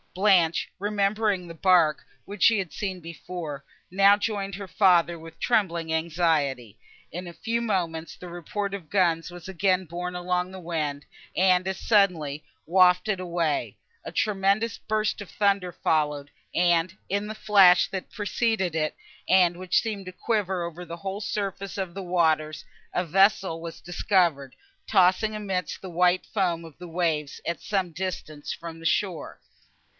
Blanche, remembering the bark, which she had before seen, now joined her father, with trembling anxiety. In a few moments, the report of guns was again borne along the wind, and as suddenly wafted away; a tremendous burst of thunder followed, and, in the flash, that had preceded it, and which seemed to quiver over the whole surface of the waters, a vessel was discovered, tossing amidst the white foam of the waves at some distance from the shore.